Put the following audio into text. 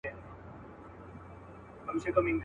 گوندي وي چي ټول کارونه دي پر لار سي.